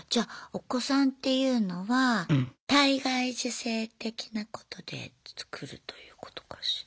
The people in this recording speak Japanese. お子さんっていうのは体外受精的なことでつくるということかしら。